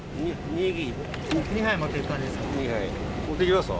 ２杯持ってく感じですか。